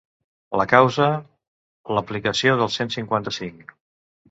La causa: l’aplicació del cent cinquanta-cinc.